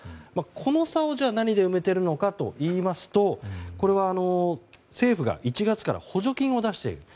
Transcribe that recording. この差を何で埋めているのかといいますとこれは政府が１月から補助金を出している。